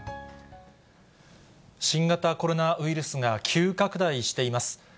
新型コロナウイルスが急拡大しています。